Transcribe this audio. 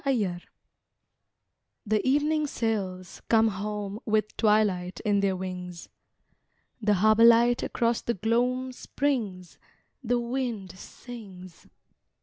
WAVES The evening sails come home With twilight in their wings. The harbour light across the gloam Springs; The wind sings.